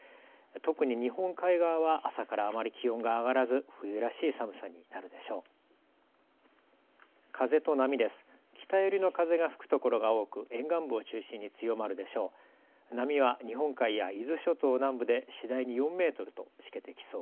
特に日本海側は朝からあまり気温が上がらず冬らしい寒さになるでしょう。